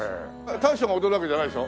大将が踊るわけじゃないでしょ？